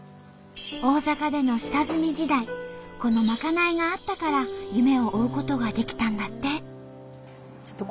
大阪での下積み時代このまかないがあったから夢を追うことができたんだって。